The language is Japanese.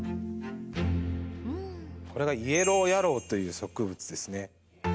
これがイエローヤロウという植物ですね。